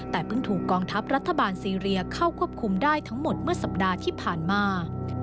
แต่เพิ่งถูกกองทัพรัฐบาลซีเรียเข้าควบคุมได้ทั้งหมดเมื่อสัปดาห์ที่ผ่านมา